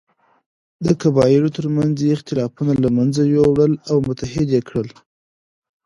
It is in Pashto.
د قبایلو تر منځ یې اختلافونه له منځه یووړل او متحد یې کړل.